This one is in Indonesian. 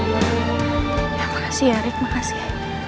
makasih ya rick makasih